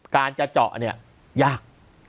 การจะเจาะยาก